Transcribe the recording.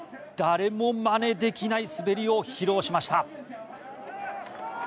誰もまねできない滑りを披露しました。